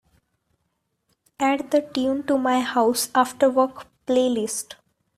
Add the tune to my House Afterwork playlist.